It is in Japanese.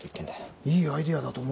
いいアイデアだと思わねえか？